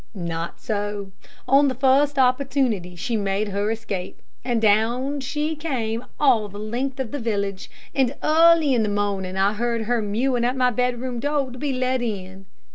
Not so. On the first opportunity she made her escape, and down she came all the length of the village, and early in the morning I heard her mewing at my bed room door to be let in.